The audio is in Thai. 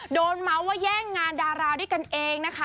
เมาส์ว่าแย่งงานดาราด้วยกันเองนะคะ